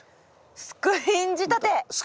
スクリーン仕立て。